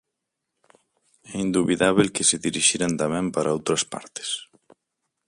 É indubidábel que se dirixiran tamén para outras partes.